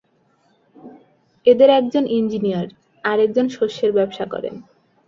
এঁদের একজন ইঞ্জিনীয়র, আর একজন শস্যের ব্যবসা করেন।